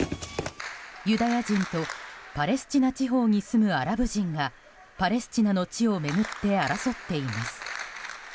ユダヤ人とパレスチナ地方に住むアラブ人がパレスチナの地を巡って争っています。